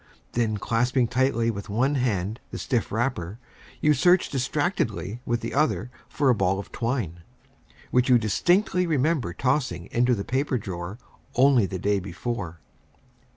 Then, clasping tightly with one hand the stiff wrapper, you search distractedly with the other for a ball of twine, which you distinctly remember tossing into the paper drawer only the day before.